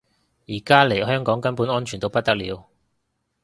而家嚟香港根本安全到不得了